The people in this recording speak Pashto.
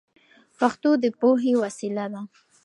پښتو د پوهې وسیله ده.